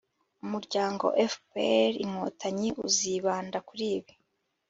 umuryango fpr-inkotanyi uzibanda kuri ibi